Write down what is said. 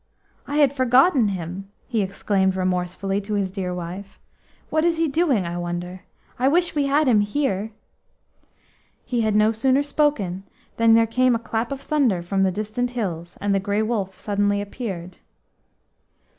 "I had forgotten him," he exclaimed remorsefully to his dear wife. "What is he doing, I wonder? I wish we had him here." He had no sooner spoken than there came a clap of thunder from the distant hills, and the Grey Wolf suddenly appeared.